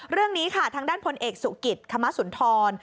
เรื่องนี้ค่ะทางด้านพลเอกสุกิตคมสุนทร